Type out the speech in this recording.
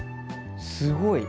すごい！